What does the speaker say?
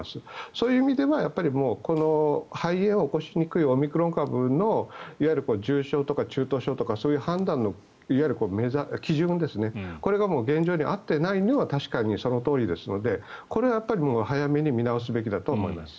そういう意味では肺炎を起こしにくいオミクロン株の重症とか中等症とかそういう判断の基準をこれが現状に合っていないのは確かにそのとおりですのでこれは早めに見直すべきだと思います。